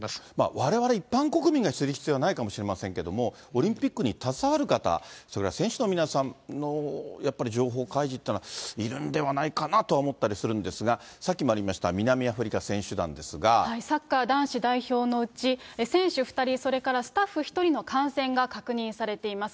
われわれ一般国民が知る必要はないかもしれませんけれども、オリンピックに携わる方、それから選手の皆さんのやっぱり情報開示というのは、いるんではないかなとは思ったりするんですが、さっきもありました南アフリサッカー男子代表のうち、選手２人、それからスタッフ１人の感染が確認されています。